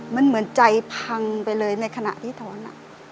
มันเหมือนใจพังไปเลยในขณะที่ถอน